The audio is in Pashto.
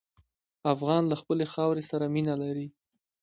افغان له خپلې خاورې سره مینه لري.